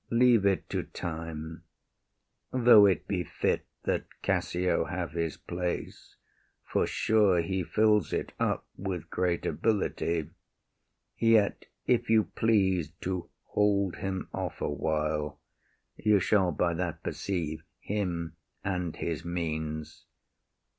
Leave it to time: Though it be fit that Cassio have his place, For sure he fills it up with great ability, Yet if you please to hold him off awhile, You shall by that perceive him and his means.